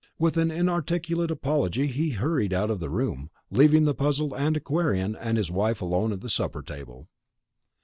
With an inarticulate apology he hurried out of the room, leaving the puzzled antiquarian and his wife alone at the supper table.